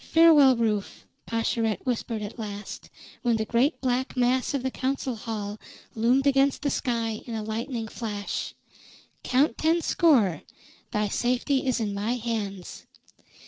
"Farewell, Rufe," Pascherette whispered at last, when the great black mass of the council hall loomed against the sky in a lightning flash. "Count ten score. Thy safety is in my hands."